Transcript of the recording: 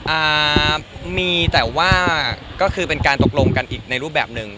อ่ามีแต่ว่าก็คือเป็นการตกลงกันอีกในรูปแบบหนึ่ง